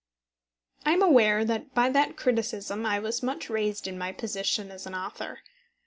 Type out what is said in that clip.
I am aware that by that criticism I was much raised in my position as an author.